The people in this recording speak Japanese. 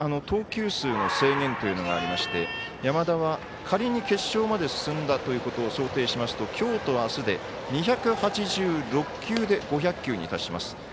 投球数の制限というのがありまして山田は仮に決勝まで進んだということを想定しますと、きょうとあすで２８６球で５００球に達します。